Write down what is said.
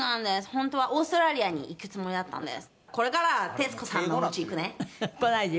ホントはオーストラリアに行くつもりだったんです。